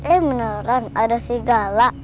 eh beneran ada sri gala